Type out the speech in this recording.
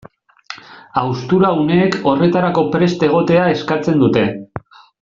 Haustura uneek horretarako prest egotea eskatzen dute.